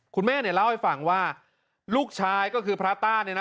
คุณแม่เนี่ยเล่าให้ฟังว่าลูกชายก็คือพระต้าเนี่ยนะ